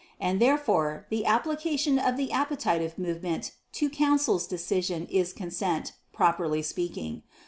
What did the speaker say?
And therefore the application of the appetitive movement to counsel's decision is consent, properly speaking.